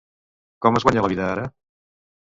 Com es guanya la vida ara?